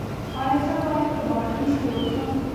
ایا زه باید په بادغیس کې اوسم؟